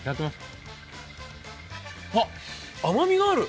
あっ、甘みがある。